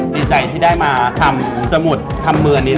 ดีใจที่ได้มาทำสมุดทำมืออันนี้